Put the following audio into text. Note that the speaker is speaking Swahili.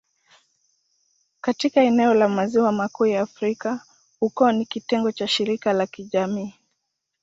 Katika eneo la Maziwa Makuu ya Afrika, ukoo ni kitengo cha shirika la kijamii.